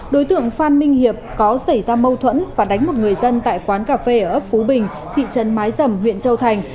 đối tượng phan minh hiệp có xảy ra mâu thuẫn và đánh một người dân tại quán cà phê ở ấp phú bình thị trấn mái dầm huyện châu thành